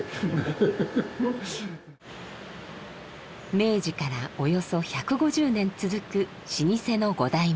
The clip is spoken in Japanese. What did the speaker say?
明治からおよそ１５０年続く老舗の五代目森敏一さん。